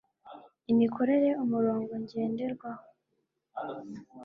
imikorere umurongo ngenderwaho